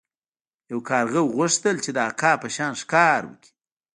یو کارغه غوښتل چې د عقاب په شان ښکار وکړي.